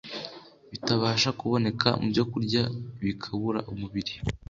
bitabasha kuboneka mu byokurya bikabura umubiri.